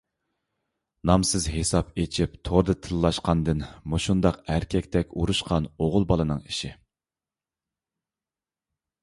نامسىز ھېساپ ئېچىپ توردا تىللاشقاندىن مۇشۇنداق ئەركەكتەك ئۇرۇشقان ئوغۇل بالىنىڭ ئىشى.